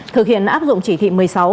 thực hiện áp dụng chỉ thị một mươi sáu